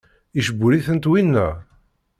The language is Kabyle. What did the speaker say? Icewwel-itent winna?